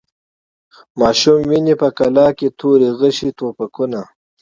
ماشوم ویني په قلا کي توري، غشي، توپکونه